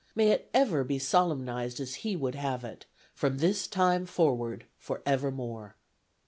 May it ever be solemnized as he would have it, "from this time forward forevermore."